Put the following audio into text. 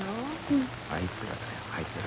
あいつらだよあいつら。